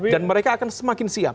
dan mereka akan semakin siap